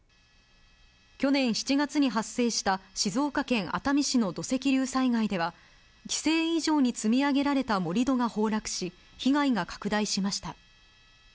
去年７月に発生した静岡県熱海市の土石流災害では、規制以上に積み上げられた盛り土が崩落し、被害が拡大しました。